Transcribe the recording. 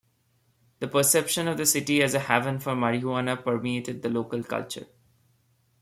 The perception of the city as a haven for marijuana permeated the local culture.